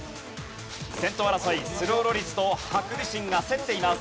先頭争いスローロリスとハクビシンが競っています。